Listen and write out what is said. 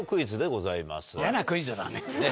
嫌なクイズだね。